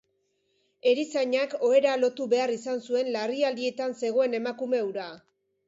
Erizainak ohera lotu behar izan zuen larrialdietan zegoen emakume hura.